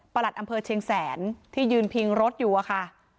หลัดอำเภอเชียงแสนที่ยืนพิงรถอยู่อะค่ะ